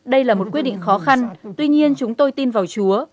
đây là một quyết định khó khăn tuy nhiên chúng tôi tin vào chúa